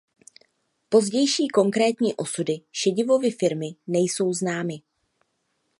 Pozdější konkrétní osudy Šedivovy firmy nejsou známy.